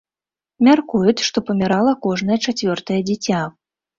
Мяркуюць, што памірала кожнае чацвёртае дзіця.